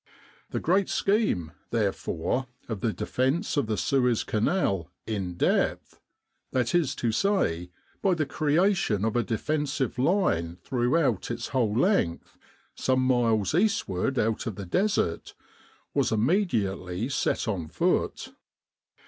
The great scheme, therefore, of the defence of the Suez Canal "in depth " that is to say, by the creation of a defensive line throughout its With the R.A.M.C. in Egypt whole length, some miles eastward out on the Desert was immediately set on foot.